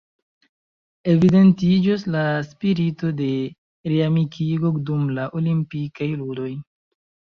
Evidentiĝos la spirito de reamikigo dum la Olimpikaj Ludoj.